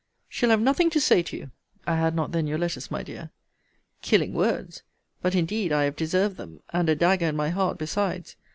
She'll have nothing to say to you. (I had not then your letters, my dear.) Killing words! But indeed I have deserved them, and a dagger in my heart besides.